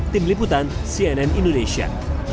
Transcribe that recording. tim liputan cnn indonesia